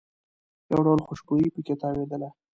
یو ډول خوشبويي په کې تاوېدله.